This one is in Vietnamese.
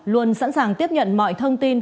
luôn sẵn sàng tiếp nhận mọi thông tin